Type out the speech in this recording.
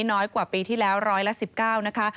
น้อยกว่าปีที่แล้วร้อยละ๑๙นะคะ